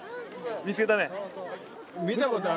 見つけたね！